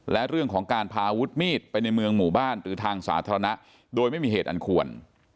และเรื่องของการพาอาวุธมีดไปในเมืองหมู่บ้านหรือทางสาธารณะโดยไม่มีเหตุอันควร